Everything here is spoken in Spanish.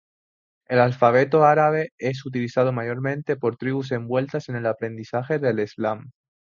El alfabeto árabe es utilizado mayormente por tribus envueltas en el aprendizaje del Islam.